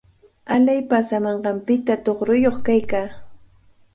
Alalay paasamanqanpita tuqruyuq kaykaa.